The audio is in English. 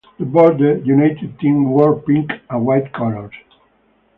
The Border United team wore pink and white colours.